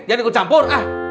jangan ikut campur